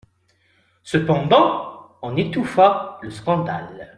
Cependant, on étouffa le scandale.